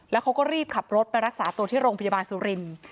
แล้วเขาก็รีบขับรถไปรักษาตัวที่โรงพยาบาลสุรินทร์